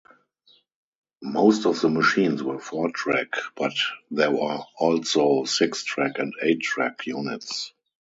Most of the machines were four-track, but there were also six-track and eight-track units.